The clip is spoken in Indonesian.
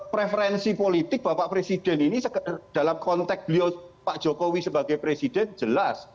preferensi politik bapak presiden ini dalam konteks beliau pak jokowi sebagai presiden jelas